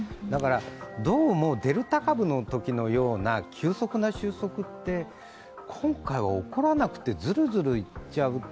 だから、どうもデルタ株のときのような急速な収束って今回は起こらなくて、ズルズルいっちゃう。